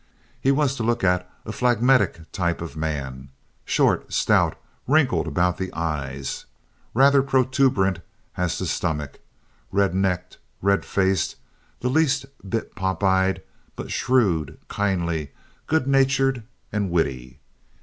He was, to look at, a phlegmatic type of man—short, stout, wrinkled about the eyes, rather protuberant as to stomach, red necked, red faced, the least bit popeyed, but shrewd, kindly, good natured, and witty.